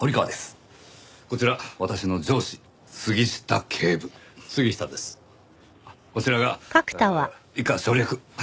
こちらが以下省略。